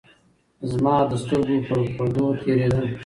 زمـا د سـترګو پـر پـردو تېـرېده.